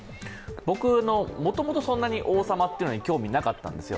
僕は、もともとそんなに王様というものに興味なかったんですよ。